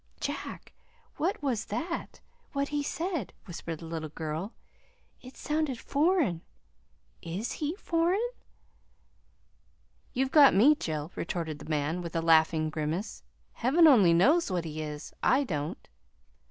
"Jack, what was that what he said?" whispered the little girl. "It sounded foreign. IS he foreign?" "You've got me, Jill," retorted the man, with a laughing grimace. "Heaven only knows what he is I don't.